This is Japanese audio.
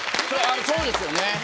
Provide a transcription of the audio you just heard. そうですよね。